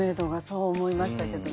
そう思いましたけどね。